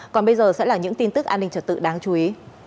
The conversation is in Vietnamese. còn bây giờ sẽ là những tin tức an ninh trật tự đáng chú ý